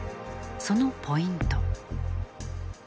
そのポイント。